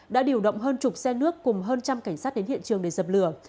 đã điều động hơn chục xe nước cùng hơn trăm cảnh sát đến hiện trường để dập lửa